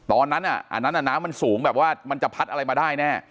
อันนั้นอันนั้นน้ำมันสูงแบบว่ามันจะพัดอะไรมาได้แน่